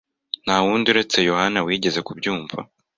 Nta wundi uretse Yohana wigeze kubyumva.